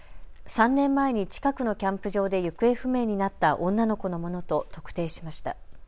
３年前に近くのキャンプ場で行方不明になった女の子のものと特定しました。